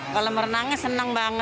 kalau merenangnya senang banget